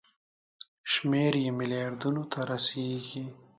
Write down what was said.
شمېر یې ملیاردونو ته رسیږي.